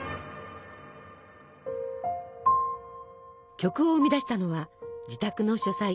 曲を生み出したのは自宅の書斎。